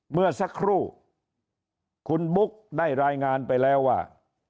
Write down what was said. เมื่อสักครู่คุณบุ๊กได้รายงานไปแล้วว่า